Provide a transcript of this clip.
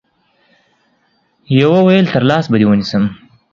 يوه ويل تر لاس به دي ونيسم